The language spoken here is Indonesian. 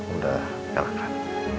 udah elak kan